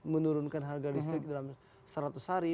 menurunkan harga listrik dalam seratus hari